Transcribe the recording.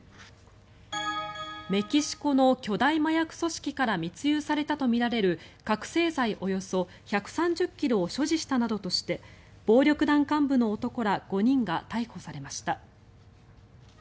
メキシコの巨大麻薬組織から密輸されたとみられる覚醒剤およそ１３０ｋｇを所持したなどとして暴力団幹部の男ら５人が逮捕されました。